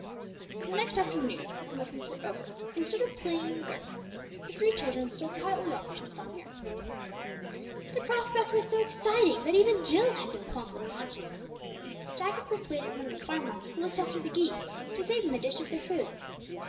So the next afternoon when lessons were over, instead of playing in the garden, the three children stole quietly off to the farmyard. The prospect was so exciting that even Jill had no qualms of conscience. Jack had persuaded one of the farm lads who looked after the geese to save him a dish of their food.